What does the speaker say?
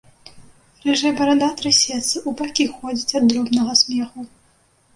Рыжая барада трасецца, у бакі ходзіць ад дробнага смеху.